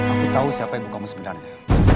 aku tau siapa ibu kamu sebenarnya